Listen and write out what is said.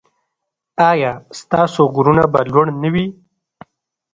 ایا ستاسو غرونه به لوړ نه وي؟